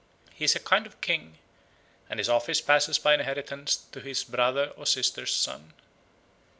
He is a kind of king, and his office passes by inheritance to his brother or sister's son.